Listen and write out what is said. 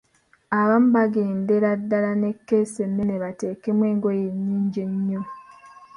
Abamu baagendera ddala ne keesi ennene bateekemu engoye ennyingi ennyo.